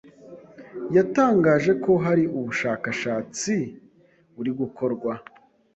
yatangaje ko hari ubushakashatsi buri gukorwa